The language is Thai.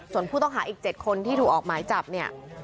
ส่วนผู้ต้องหาอีก๗คนที่ถูกออกหมายจับเนี่ย